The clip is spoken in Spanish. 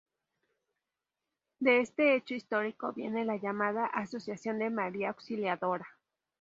De este hecho histórico viene la llamada Asociación de María Auxiliadora.